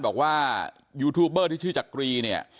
บอกว่ายูทูปเบอร์ที่ชื่อจักรี